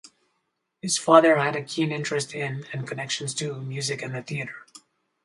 His father had a keen interest in, and connections to, music and the theatre.